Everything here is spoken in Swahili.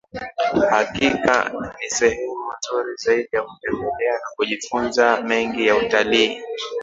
Hakika ni sehemu nzuri zaidi ya kutembelea na kujifunza mengi ya utalii